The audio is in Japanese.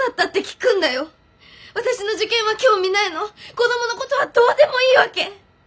子供のことはどうでもいいわけ！？